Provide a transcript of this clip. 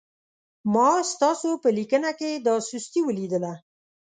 ما ستاسو په لیکنه کې دا سستي ولیدله.